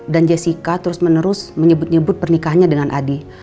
dan jessica terus menerus menyebut nyebut pernikahannya dengan adi